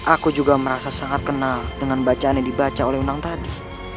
aku juga merasa sangat kenal dengan bacaan yang dibaca oleh undang tadi